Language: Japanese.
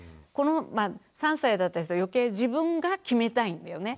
３歳だったりすると余計自分が決めたいんだよね。